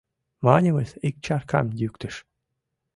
— Маньымыс, ик чаркам йӱктыш...